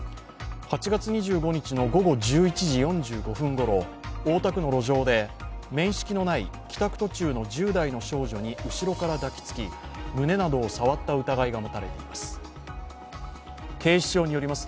８月２５日の午後１１時４５分ごろ大田区の路上で面識のない帰宅途中の１０代の少女に後ろから抱きつき、胸などを触った疑いが持たれています。